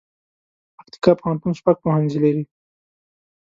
پکتیکا پوهنتون شپږ پوهنځي لري